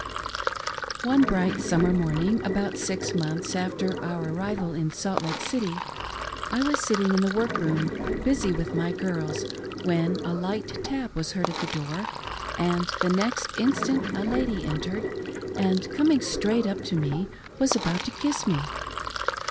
ONE bright summer morning, about six months after our arrival in Salt Lake City, I was sitting in the work room busy with my girls, when a light tap was heard at the door, and the next instant a lady entered, and coming straight up to me was about to kiss me.